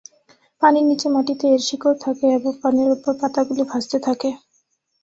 পানির নিচে মাটিতে এর শিকড় থাকে এবং পানির উপর পাতা গুলি ভাসতে থাকে।